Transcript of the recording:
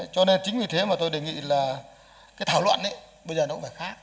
cho nên chính vì thế mà tôi đề nghị là cái thảo luận ấy bây giờ nó cũng phải khác